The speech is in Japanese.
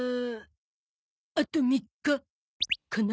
あと３日かな。